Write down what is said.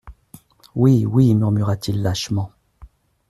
Oui, oui, murmura-t-il lâchement.